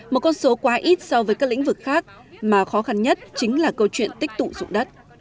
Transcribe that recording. một con số quá ít so với các lĩnh vực khác mà khó khăn nhất chính là câu chuyện tích tụ dụng đất